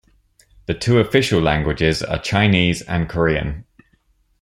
The two official languages are Chinese and Korean.